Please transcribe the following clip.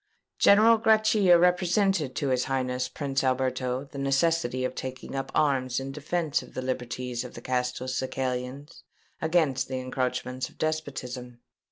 General Grachia represented to his Highness Prince Alberto the necessity of taking up arms in defence of the liberties of the Castelcicalans against the encroachments of despotism.